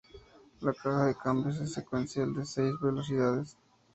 La caja de cambios es secuencial de seis velocidades.